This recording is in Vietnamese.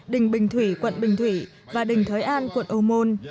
đình bình thủy quận bình thủy và đình thới an quận âu môn